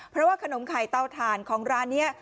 เพราะว่าขนมไข่เตาถ่านของร้านนี้